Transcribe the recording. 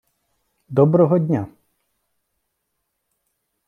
доброго дня!